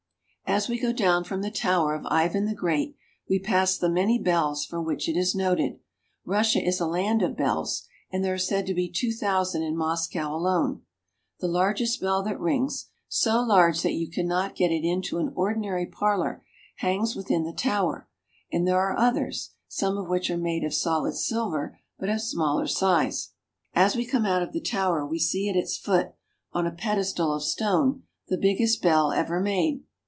As we go down from the Tower of Ivan the Great, we pass the many bells for which it is noted. Russia is a land of bells, and there are said to be two thousand in Moscow alone. The largest bell that rings, so large that you 350 RUSSIA. could not get it into an ordinary parlor, hangs within the tower ; and there are others, some of which are made of solid silver, but of smaller size. As we come out of the Tower we see at its foot, on a pedestal of stone, the big gest bell ever made.